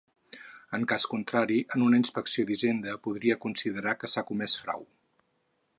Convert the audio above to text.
En cas contrari, en una inspecció d'Hisenda podria considerar que s'ha comès frau.